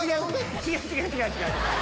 違う違う違う違う！